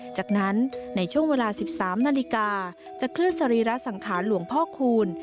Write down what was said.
จากนั้นในช่วงเวลา๑๓นาฬิกาจะเคลื่อนสรีระสังขารหลวงพ่อคูณ